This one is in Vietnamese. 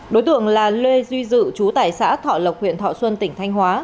đối tượng là lê duy dự chú tại xã thọ lộc huyện thọ xuân tỉnh thanh hóa